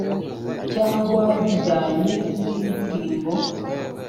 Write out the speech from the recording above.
cyangwa bijyanye n indirimbo